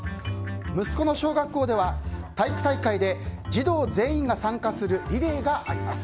息子の小学校では体育大会で児童全員が参加するリレーがあります。